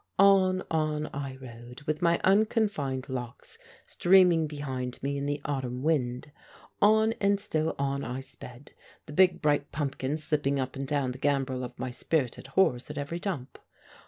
On, on I rode with my unconfined locks streaming behind me in the autumn wind. On and still on I sped, the big, bright pumpkin slipping up and down the gambrel of my spirited horse at every jump.